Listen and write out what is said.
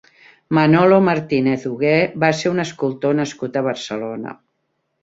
Manolo Martínez Hugué va ser un escultor nascut a Barcelona.